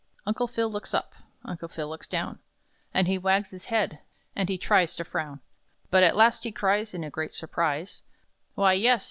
'" Uncle Phil looks up; Uncle Phil looks down; And he wags his head; And he tries to frown; But at last he cries In a great surprise: "Why, yes!